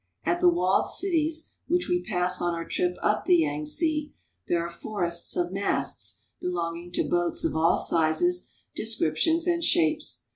At the walled cities, which we pass on our trip up the Yangtze, there are forests of masts belonging to boats of all sizes, descriptions, and shapes.